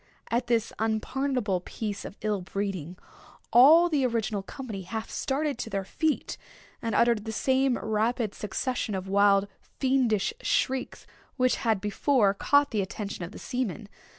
At this unpardonable piece of ill breeding, all the original company half started to their feet, and uttered the same rapid succession of wild fiendish shrieks which had before caught the attention of the seamen.